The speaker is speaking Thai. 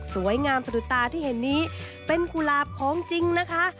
สวยงามสะดุดตาที่เห็นนี้เป็นกุหลาบของจริงนะคะ